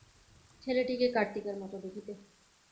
ছেলেটিকে কার্তিকের মতো দেখিতে।